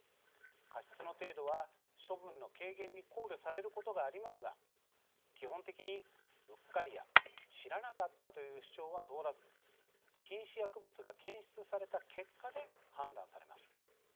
過失の程度は、処分の軽減に考慮されることがありますが基本的にうっかりやしらなかったという主張は通らず禁止薬物が検出された結果で判断されます。